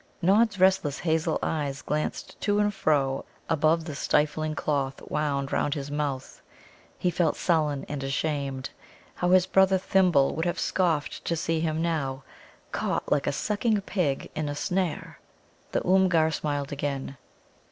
Nod's restless hazel eyes glanced to and fro above the stifling cloth wound round his mouth. He felt sullen and ashamed. How his brother Thimble would have scoffed to see him now, caught like a sucking pig in a snare! The Oomgar smiled again.